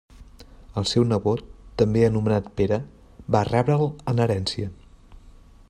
El seu nebot, també anomenat Pere, va rebre'l en herència.